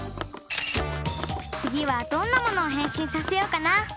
つぎはどんなものをへんしんさせようかな。